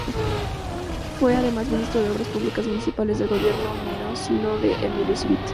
Fue además Ministro de Obras Públicas municipales del gobierno mendocino de Emilio Civit.